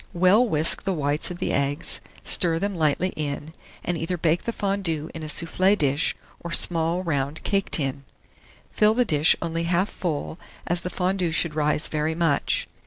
Well whisk the whites of the eggs, stir them lightly in, and either bake the fondue in a soufflé dish or small round cake tin. Fill the dish only half full, as the fondue should rise very much.